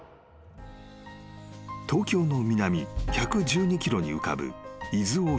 ［東京の南１１２ｋｍに浮かぶ伊豆大島］